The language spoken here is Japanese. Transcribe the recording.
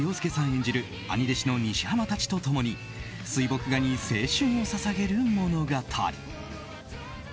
演じる兄弟子の西濱たちと共に水墨画に青春を捧げる物語。